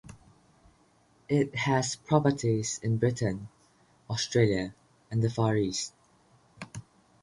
It has properties in Britain, Australia and the Far East.